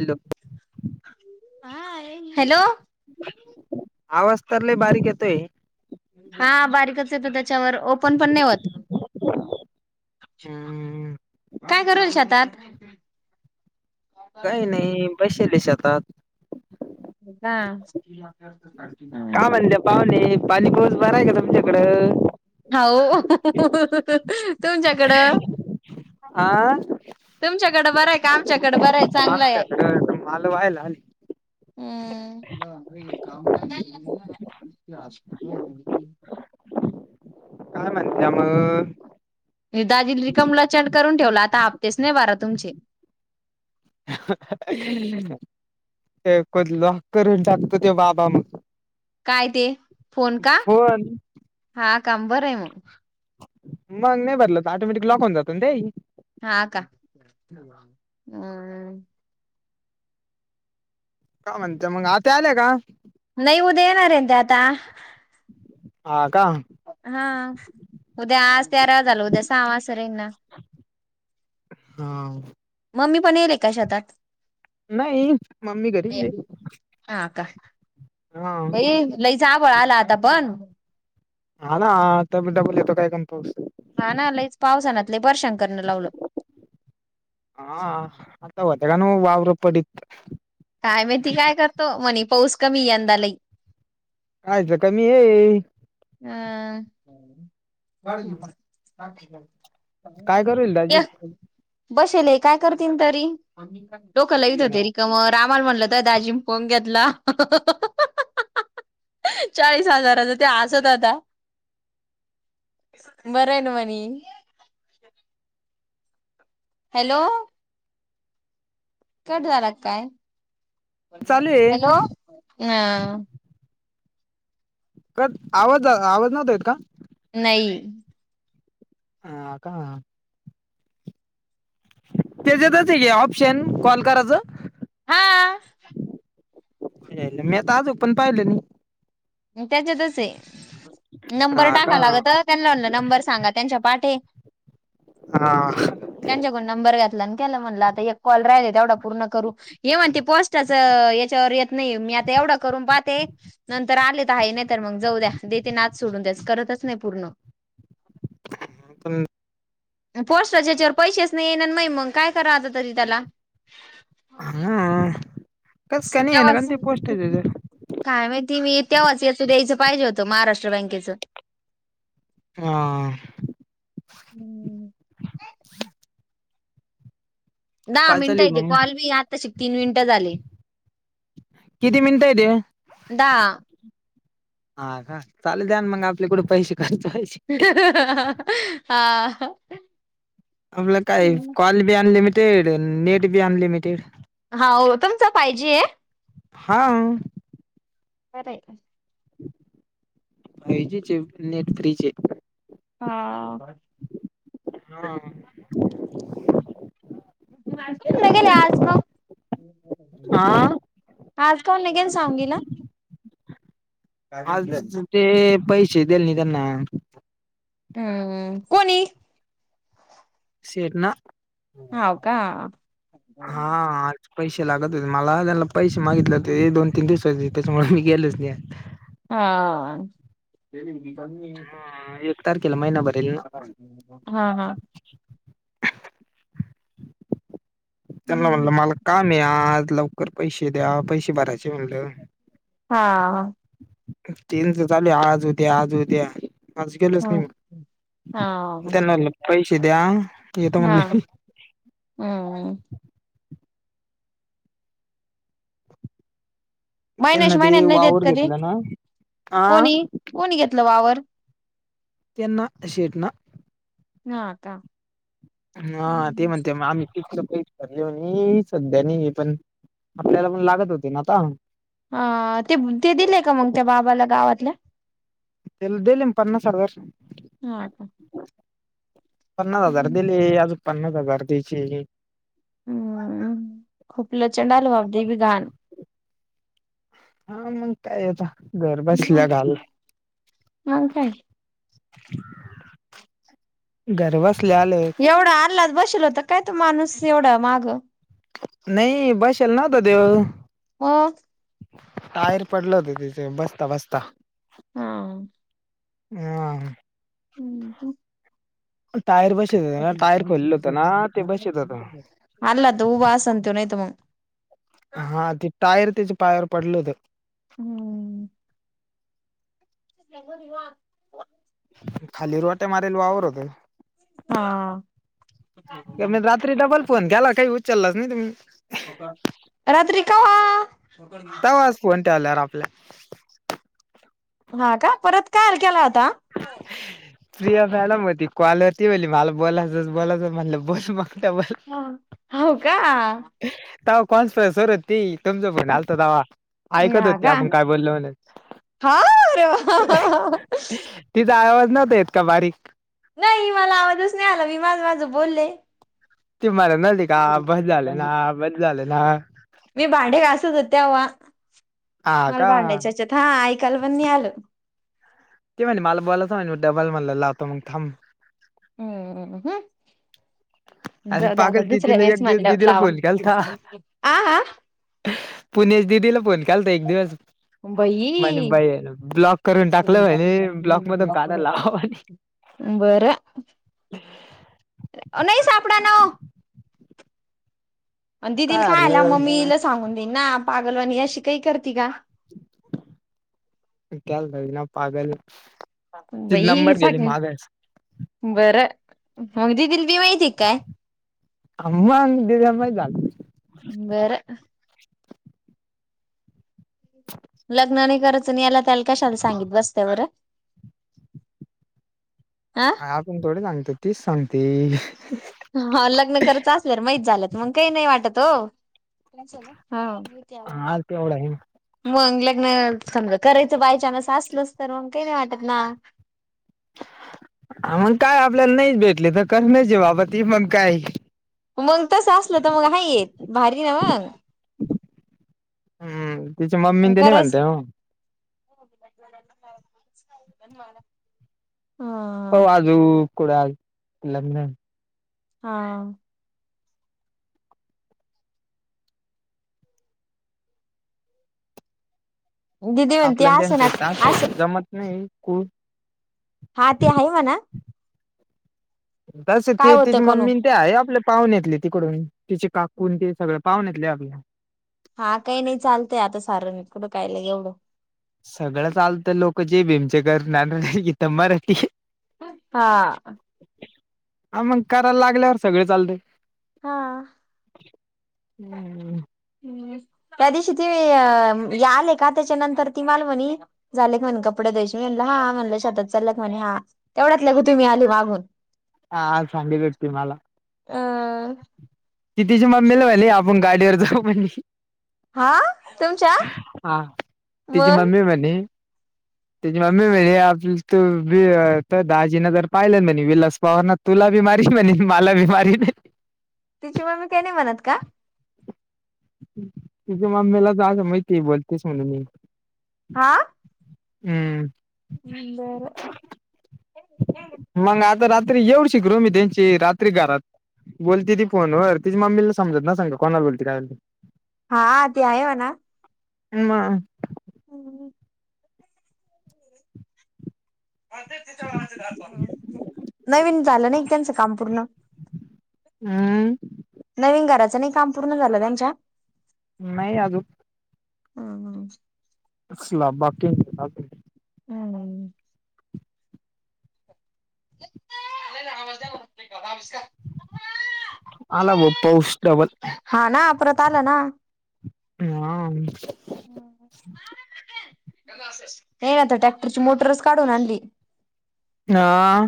Hello hello आवाज तर लय बारीक येतोय. हा बारीकच येतोय. त्या ओपन पण नाही होत. हम्म काय करूल शेतात. काही नाही बसेले शेतात. ह्ं का म्हणत्या पाहुणे, पाणी पाऊस बरा आहे का तुमच्याकडं? हो तुमच्याकडं. आ तुमच्याकडं बरं आहे का आमच्याकडं बरं आहे चांगलं आहे. आमच्याकडे माल व्हायला आली [unintelligible] [unintelligible] काय म्हणत्या मग? दाजी रिकामलचांड करून ठेवला आता. नाही [inaudible] बारा तुमचे हे [unintelligible] करून टाकतो ते बाबा मग काय ते फोन का? फोन हा काम बरं आहे मग. मग नाही बरलं तर ऑटोमॅटिक लॉक होऊन जातो ना ते. हा का हम् काय म्हणते मग आता आल्या का? नाही उद्या येणार आहे ते आता. हा का हा उद्या आज तेरा झालं उद्या सहावा निघणार. हा पण गेलाय का शेतात. नाही मम्मी घरीचय. हा का बाई लयच आभाळ आला आता पण. हा ना त्याडबल येतो काय कर. हा ना लयच पावसानातले परेशान करण लावलं. वतेगण वावर पडीत. काय माहिती काय करतो म्हणे पाऊस कमी यंदा लई. कायच कमी आहे. हं हम्म. काय करू राहील दाजी? बसेले काय करतील तरी. डोक लावीत होते रिकम रामाला म्हणलं होता दाजी फोन घेतला. चाळीस हजाराच ते हासत आता बर आहे ना म. हॅलो हॅलो कट झाला की काय? चालू आहे हॅलो हम्म का आवाज आवाज नव्हता येत का? नाही. हा का त्याच्यातच आहे ऑप्शन कॉल करायचं? हा मी आता आलो पण पाहिलं नाही. त्याच्यातच आहे. नंबर हा का टाका लागत त्यांना म्हनलं नंबर सांगा त्यांच्या पाठ हा त्यांच्याकडून नंबर घ्या. म्हता कॉल राहिल तेवढा पूर्ण करू हि म्हणते पोस्टाच याच्यावर येत नाही मी आता एवढं करून पाहते नंतर आले तर आहे नाही तर मग जाऊ द्या देते नाद सोडून त्याचं करतच नाही पूर्ण हम पोस्टाच्या ह्याच्यावर पैसेच नाही येणार मा मग काय करा आता तरी त्याला हा कस का नाही आहे ना का ते पोस्ट आहे त्याच्यात काय माहिती मी त्या वाच याच [unintelligible] द्यायचं पाहिजे होत महाराष्ट्र बँकेच हा हम्म दहा काय चालू मिनिटं हाय आहे मग? कॉल बी आताचि तीन मिनिटं झाले किती मिनिटं आहे ते दहा हा का चालेल त्यांन मग आपलं कुठे पैसे खर्च व्हायचे हा आपलं काय कॉल बी अनलिमिटेड नेट बी अनलिमिटेड हा होय तुमच फायजी हाय हा [unintelligible] फायजीचे नेट फ्रीच हे हा हा गेले आज मग आ आज का निघेल सांगलीला आज ते पैसे दिलं नाही त्यांना हम्म कोणी शेठ ना हाव का हा आज पैसे लागत होते मला त्यांना पैसे मागितले होते दोन तीन दिवस त्याच्यामुळे मी गेलच नाही हा एक तारखेला महिनाभर हा हा त्यांना म्हणलं मला काम या आज लवकर पैसे द्या पैसे भरायचे म्हणलं हा देना तर झालयं आज उद्या आज उद्या माझ गेलंच नाही मग हा त्यांना पैसे द्या येतो हा म्हणलं मी हम्म त्यांना मायनस ते मायनस नाही देत वावर का ते घेतलं ना हा कोणी कोणी घेतलं वावर त्यांना शेट ना हा का हा ते म्हणते आम्ही अली म्ह सध्यानी पण आपल्याला पण लागत होते ना आता हा ते ते दिलेय का मग त्या बाबाला गावातल्या दिले ना पन्नास हजार हा का पन्नास हजार हम्म दिले अजून पन्नास हजार द्यायचे हम खूप लोचांड आलं बाबा दि [unintelligible] हा मग काय आता घर बसल्या घा मग काय घरबसल्या एवढं अल्लाद बशीला होता काय तो माणूस एवढ्या मागं नाही बसला नव्हता त्यो हो. टायर पडलं होत, तिथे बसता बसता. हा. [unintelligible] हम अ. टायर बसत होत ना टायर खोललं होतं ना ते बसत होत [unintelligible] अलगत उभा असन त्यो नाहीतर मग हा, ते टायर त्याच्या पायावर पडलं होत. हम. तोवर ह्यो [unintelligible] खालील वाट्या मारील वावर होत. हा मी [unintelligible] रात्री डबल फोन केला, काही उचललाच नाही तुम्ही? रात्री कवा [unintelligible] केल्यावर आपल्या हा का, परत काय झालं केला होता? फ्री झाल्यावर मग ती कॉलवरती बोली, मला बोलायचय बोलायचय म्हणलं बोल मग. डबल हो का, हा. तवा कॉन्सफरन्सवर होती, तुमचा फोन आलता तवा ऐकत हा होती, का आपण काय बोललो म्हणून. हा आरे वा! हा हा हा. तिचा आवाज नव्हता येतं, का बारीक? नाही मला आवाजच नाही आला, मी माझ माझ बोलले. तुम्हाला म्हनली का? बस झालं ना बस झालं ना. मी भांडे घासत होते तेव्हा हा मला का भांडायच्या हेच्यात हा ऐकायला पण नाही आलं. ते म्हणली मला बोलायचं म्हणली, मग डबल म्हणलो लावतो मग थांब. ह हम. अशी जाऊ द्या, आता पागल दुसऱ्या तिनं वेळेस एक दिवस म्हटल्यावर दिदीला लावा फोन केलता आ हा. पुणेस दिदीला फोन केलता? एक दिवस. बई! म्हणे बाई ब्लॉक करून टाकलं म्हणे ब्लॉक मधून काढायला लावा म्हणे [unintelligible] बरं. नाही सा [unintelligible] आणि दिदिला काय सांग ना हरलं मम्मीला सांगून देईन ना, पागलवानी अशी का ही करते का? ते कळायला पाहिजे ना, पागल ये. ति बाई नंबर गेली सागे मागायच. बरं मग दिदिला बी माहितीय काय? अन मग दिदीला माहित झालं. बरं. लग्न नाही करायच, अन याला त्याला कशाला सांगित बसत्या बरं. [inaudible] आपण थोडे सांगतो, तिच सांगते. हा लग्न करत असल्यावर माहीत झालं, त मग काही नाही वाटत हो हा. विचारा हा तेवढा आहे मग [unintelligible] समज करायच बायचान्स असलच तर, मग काही नाही वाटत ना? मग काय आपल्याला नाहीच भेटले तर, करण्याची बाबत मग काय? मग तसं असलं, तर मग हा ये भारी ना मग. हम तिच्या मम्मी मग ते नाही करायच म्हणत्या हो. [unintelligible] हो, हा [unintelligible] लग्न. हा. दिदी म्हणते आपल्या असं ना तेच असं [unintelligible] जमत नाही कु हा ते आहे म्हणा तस काय ते होतं तिची कणू मम्मी ते आहे आपल्या पाहून येतली तिकडून तिचे काकून ते सगळ पाहून येतले आपल्या हा काही नाही चालतय आता सारकडं कायला एवढं सगळं चालत लोक जे भिमचे घरन आलो इथे मराठी हाय हा. हा मग करायला लागल्यावर सगळ चालत हा. हम्म. त्या दिवशी ते आले का त्याच्यानंतर ती मालमनी झाली का म्हण कपड [unintelligible] म्हणला हा म्हणलं शतात चालला म्हणे हा तेवढाच ल ग तुम्ही आले मागून हा [unintelligible] भेटतोय मला अह कितीची [unintelligible] म्हणाली आपण गाडीवर जाऊ म्हणाली हा तुमच्या हा म [inaudible] त्यांची मम्मी म्ह आप तू दहाजी ना जर पाहिलं विलास पवार न तुला बी मा रील म्हणे मला बी मारील तिची मम्मी काय नाही म्हणत का? तुझ्या मम्मीला जां माहिती आहे बोलतेस म्हणून मी हा हम्म. बरं एवढी गृहमी त्यांची रात्री घरात बोलती ती फोन वर तिची मम्मीला समजत ना सांग कोणाला बोलते काय हा ते आहे म्हणा म हम्म नवीन झालं नाही त्यांचं काम पूर्ण हम्म. नवीन घराचं नाही काम पूर्ण झालं त्यांच्या नाही अजून हम्म हम्म. स्लॅब बाकी आहे अजून हम्म. [unintelligible] आला बग पाऊस [unintelligible] हा ना परत आलं ना. हा नाही ना आता टॅक्टरची मोटरच काढून आणली हा.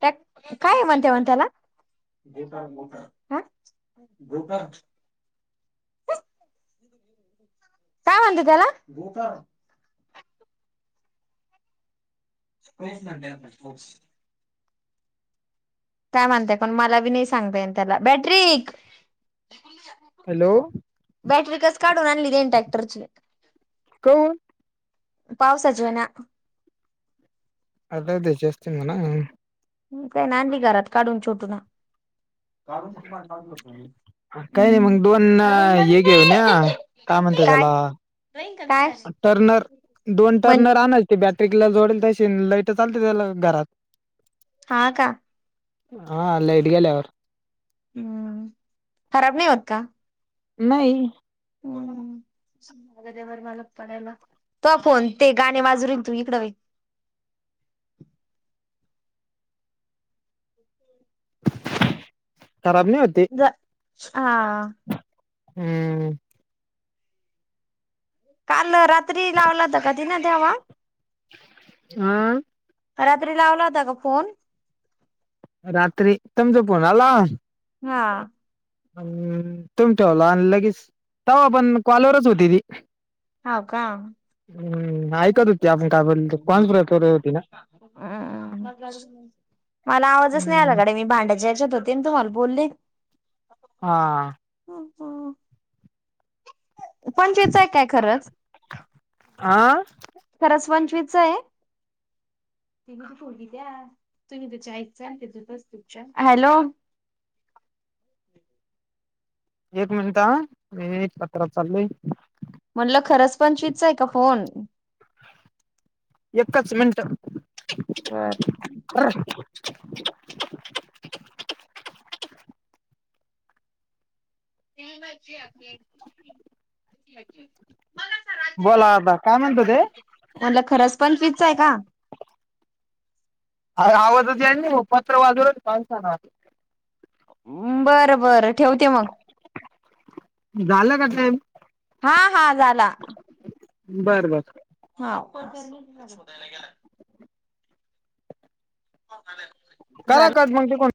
त्या काय आहे म्हणते म्हण त्याला मोटर मोटर अह मोटर काय म्हणते त्याला? मोटर [unintelligible] काय म्हणताय कोण मला बी नाही सांगतायन त्याला बॅटरी हॅलो. बॅटरी कस काढून त्यानं ट्रॅक्टरची काऊन? पावसाजव ना [unintelligible] ते जास्ती म्हणा काय नाय आणली घरात काढून छोटून काही नाही मग दोन हे घेऊन या काय म्हणते त्याला काय टर्नर दोन म्हण टर्नर आणल ते बॅट पिकला जोडेल तसे लाईट चालते त्याला घरात. हा, का? हा लाईट गेल्यावर. हम खराब नाही होत का? नाही. हो, ना. [unintelligible] मला पयला तो फोन ते गाणे [unintelligible] तू इकड हुय. [inaudible] खराब नाही होते ते हा हम. काल रात्री लावलाता, कधी ना तेवा? आ. रात्री लावला होता, का फोन? रात्री तुमचा फोन आला. हा. अम तुम्ही ठेवला, आणि लगेच तवा पण काँलवरच होती ती. हो, का? हम नाही करत. [unintelligible] आ मला आवाजच नाही हम्म आला गडे मी भांड्याच्या याच्यात होते ना, तुम्हाला बोलले. हा. हो. पंचेच आहे काय? खरचं, आ खरच पंच विचय. [unintelligible] द्या तुम्ही [unintelligible] हॅलो! [unintelligible] एक मिनिट ह, मी एक [unintelligible] चाललयं. म्हटलं खरंच, पंचवीस चा हाय का फोन? एकचं मिनट. म्हणलं [unintelligible] [unintelligible] [unintelligible] मला करा, बोला आता काय म्हणतो ते [unintelligible] म्हणलं खरंच पंचवीसचं आहे का? अरे, आवाजचं याय नाही म पत्र वाजवल बरं बरं ठेवते, मग. झालं का टाईम? हा हा, झाला. बरं बरं. हा [unintelligible] शोधायला गेला. [unintelligible] करा झाला कट [unintelligible] को